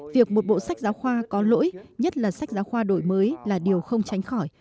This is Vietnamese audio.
việc một bộ sách giáo khoa có lỗi nhất là sách giáo khoa đổi mới là điều không tránh khỏi